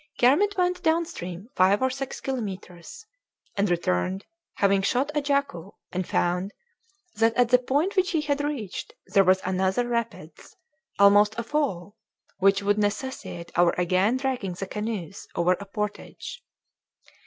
Kermit went down stream five or six kilometres, and returned, having shot a jacu and found that at the point which he had reached there was another rapids, almost a fall, which would necessitate our again dragging the canoes over a portage.